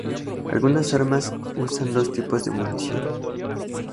Algunas armas usan dos tipos de munición.